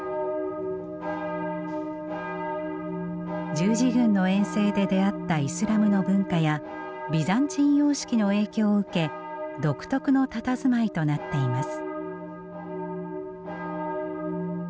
十字軍の遠征で出会ったイスラムの文化やビザンチン様式の影響を受け独特のたたずまいとなっています。